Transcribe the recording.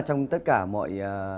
trong tất cả mọi